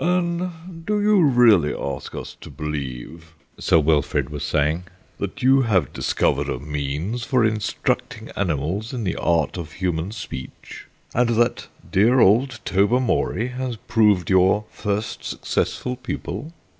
"And do you really ask us to believe," Sir Wilfrid was saying, "that you have discovered a means for instructing animals in the art of human speech, and that dear old Tobermory has proved your first successful pupil?"